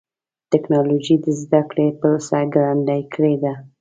ټکنالوجي د زدهکړې پروسه ګړندۍ کړې ده.